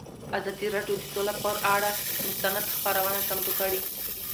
ازادي راډیو د سوله پر اړه مستند خپرونه چمتو کړې.